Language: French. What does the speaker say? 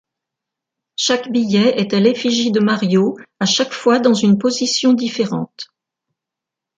Chaque billet est à l'effigie de Mario, à chaque fois dans une position différente.